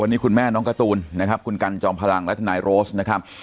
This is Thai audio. วันนี้คุณแม่น้องการ์ตูนนะครับคุณกันจอมพลังและทนายโรสนะครับ